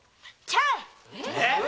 ちゃん。